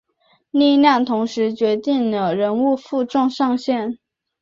力量同时决定了人物负重上限。